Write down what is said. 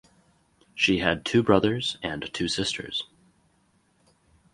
She had two brothers and two sisters.